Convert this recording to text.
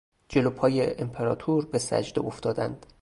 جلو پای امپراتور به سجده افتادند.